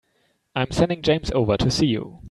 I'm sending James over to see you.